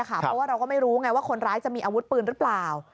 เพราะว่าเราก็ไม่รู้ไงว่าคนร้ายจะมีอาวุธปืนหรือเปล่า